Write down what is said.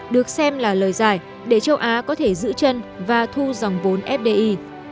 được xem là lời giải để châu á có thể giữ chân và thu dòng vốn fdi